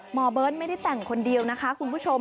เบิร์ตไม่ได้แต่งคนเดียวนะคะคุณผู้ชม